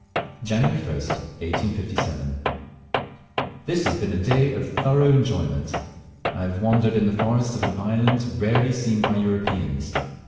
Jan. 1st, 1857. This has been a day of thorough enjoyment. I have wandered in the forests of an island rarely seen by Europeans.